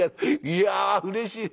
いやうれしい。